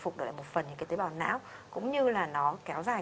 cảm ơn bác sĩ